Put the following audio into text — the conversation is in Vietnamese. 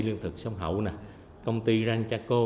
liên thực sông hậu công ty rang chaco